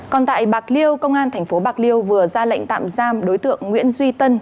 còn tại bạc liêu công an tp bạc liêu vừa ra lệnh tạm giam đối tượng nguyễn duy tân